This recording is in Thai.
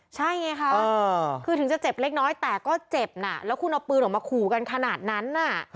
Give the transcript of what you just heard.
ใช่ไงคะคือถึงจะเจ็บเล็กน้อยแต่ก็เจ็บนะแล้วคุณเอาปืนออกมาขู่กันขนาดนั้น